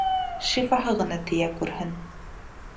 Шифаһы ғына тейә күрһен!